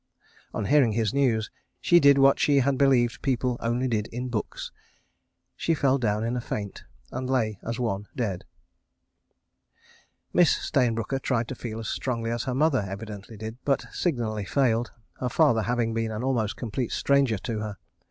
On hearing his news, she did what she had believed people only did in books. She fell down in a faint and lay as one dead. Miss Stayne Brooker tried to feel as strongly as her mother evidently did, but signally failed, her father having been an almost complete stranger to her.